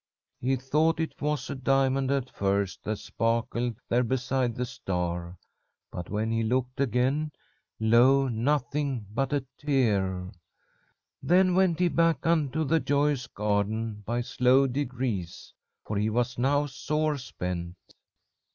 "He thought it was a diamond at first, that sparkled there beside the star, but when he looked again, lo, nothing but a tear. "Then went he back unto the joyous garden by slow degrees, for he was now sore spent.